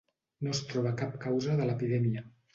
No es troba cap causa de l'epidèmia.